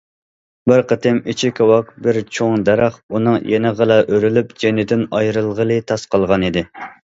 بىر قېتىم ئىچى كاۋاك بىر چوڭ دەرەخ ئۇنىڭ يېنىغىلا ئۆرۈلۈپ، جېنىدىن ئايرىلغىلى تاسلا قالغانىدى.